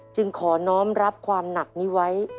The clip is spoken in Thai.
จึงขอน้องรับความหนักนี้ไว้